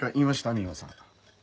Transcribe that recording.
三馬さん。